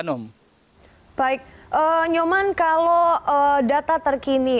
nyoman kalau data terkini